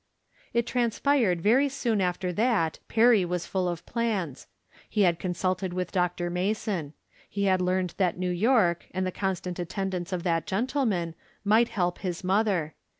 It transpired very soon after that Perry was fuU of plans. He had consulted with Dr. Mason. He had learned that New York, and the constant attendance of that gentleman, might help liis mother.